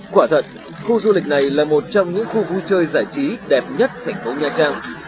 quả thật khu du lịch này là một trong những khu vui chơi giải trí đẹp nhất thành phố nha trang